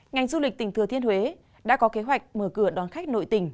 ngành du lịch tỉnh thừa thiên huế đã có kế hoạch mở cửa đón khách nội tỉnh